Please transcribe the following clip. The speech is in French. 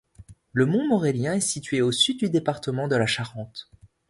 Le Montmorélien est situé au sud du département de la Charente.